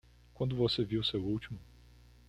Quando você viu seu último?